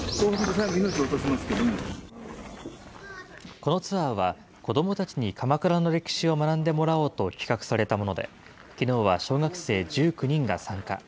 このツアーは、子どもたちに鎌倉の歴史を学んでもらおうと企画されたもので、きのうは小学生１９人が参加。